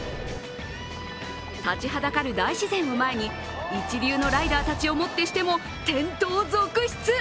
立ちはだかる大自然を前に、一流のライダーたちをもってしても転倒続出。